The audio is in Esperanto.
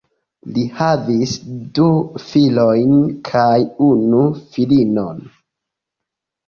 Li havis du filojn kaj unu filinon.